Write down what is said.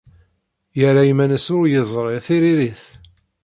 Yerra iman-nnes ur yeẓri tiririt.